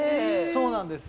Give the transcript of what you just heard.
そうなんです。